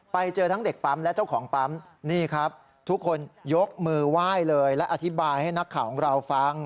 ไปเจอทั้งเด็กปั๊มและเจ้าของปั๊มนี่ครับทุกคนยกมือไหว้เลยและอธิบายให้นักข่าวของเราฟัง